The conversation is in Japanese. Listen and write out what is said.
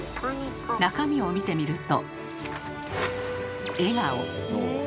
中身を見てみると。